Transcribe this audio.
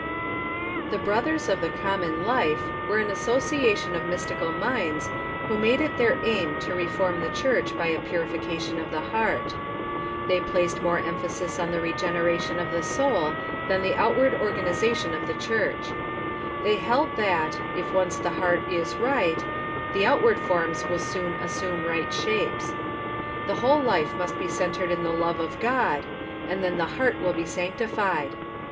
The Brothers of the Common Life were an association of mystical minds who made it their aim to reform the Church by a purification of tlie heart. They placed more ^cJmmoVufe^ emphasis on the regeneration of the soul than the outward organization of the Church. They held that, if once the heart is right, the outward forms will soon as sume right shapes. The whole life must be centred in the love of God, and then the heart will be sanctified.